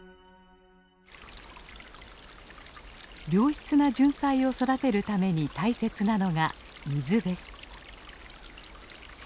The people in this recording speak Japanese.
良質なジュンサイを育てるために大切なのが水です。